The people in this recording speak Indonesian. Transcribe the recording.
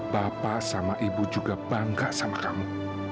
bapak sama ibu juga bangga sama kamu